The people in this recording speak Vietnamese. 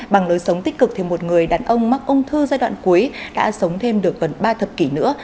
bằng lối sống tích cực thì một người đàn ông mắc ung thư giai đoạn cuối đã sống thêm được gần ba thập kỷ nữa